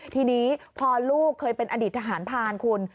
ทีนี้พอลูกเคยเป็นอดิษฐานพลาดคุณ